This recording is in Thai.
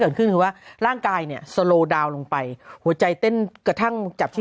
เกิดขึ้นคือว่าร่างกายเนี่ยสโลดาวนลงไปหัวใจเต้นกระทั่งจับที่